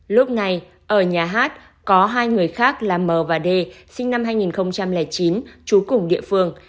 lúc này ở nhà hát có hai người khác là m và d sinh năm hai nghìn chín trú cùng địa phương